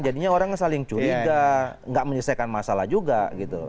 jadinya orang saling curiga nggak menyelesaikan masalah juga gitu